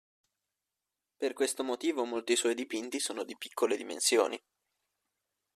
Per questo motivo molti suoi dipinti sono di piccole dimensioni.